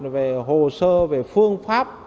về hồ sơ về phương pháp